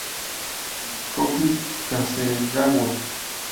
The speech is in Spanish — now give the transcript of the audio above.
Koki Hasegawa